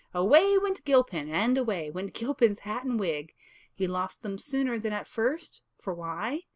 Away went Gilpin, and away Went Gilpin's hat and wig: He lost them sooner than at first; For why?